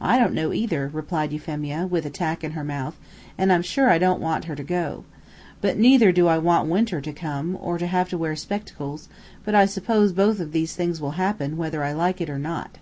"I don't know, either," replied Euphemia, with a tack in her mouth, "and I'm sure I don't want her to go. But neither do I want winter to come, or to have to wear spectacles; but I suppose both of these things will happen, whether I like it or not."